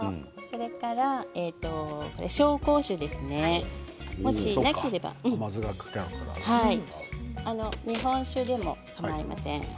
紹興酒ですね。もしなければ日本酒でもかまいません。